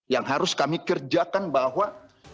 yang harus kami kerjakan bahwa